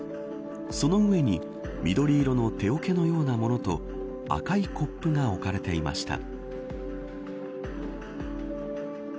その上に緑色のておけのようなものと赤いコップが置かれていました。